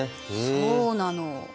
そうなの！